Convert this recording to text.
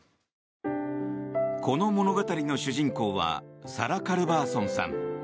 この物語の主人公はサラ・カルバーソンさん。